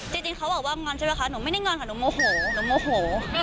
จริงเขาบอกว่างอนใช่ไหมคะหนูไม่ได้งอนค่ะหนูโมโหหนูโมโห